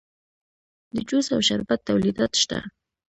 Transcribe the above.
د جوس او شربت تولیدات شته